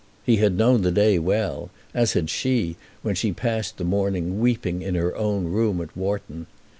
He had known the day well, as had she, when she passed the morning weeping in her own room at Wharton.